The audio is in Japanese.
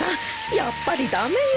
やっぱり駄目よ。